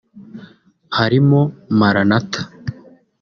Harimo Maranatha